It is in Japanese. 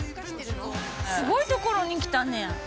◆すごいところに来たね。